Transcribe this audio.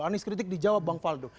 anies kritik dijawab bang faldo